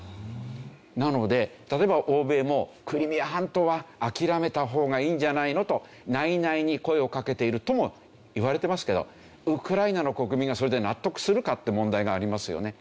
なので例えば欧米もクリミア半島は諦めた方がいいんじゃないの？と内々に声をかけているとも言われてますけどウクライナの国民がそれで納得するかって問題がありますよね。